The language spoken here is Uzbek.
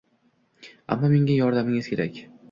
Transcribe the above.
Ammo menga yordamingiz kerak